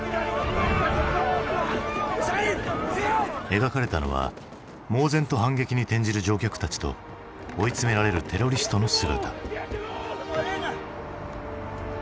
描かれたのは猛然と反撃に転じる乗客たちと追い詰められるテロリストの姿。